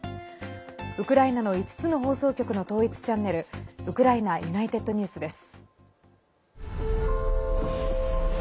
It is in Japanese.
ウクライナの５つの放送局の統一チャンネルウクライナＵｎｉｔｅｄＮｅｗｓです。